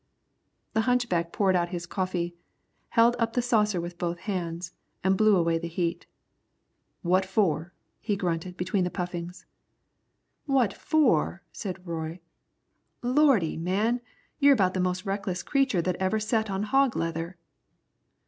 The hunchback poured out his coffee, held up the saucer with both hands and blew away the heat. "What for?" he grunted, between the puffings. "What for?" said Roy. "Lordy! man, you're about the most reckless creature that ever set on hog leather."